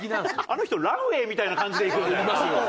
あの人ランウェイみたいな感じで行くよね